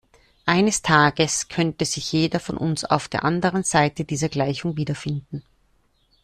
Eines Tages könnte sich jeder von uns auf der anderen Seite dieser Gleichung wiederfinden.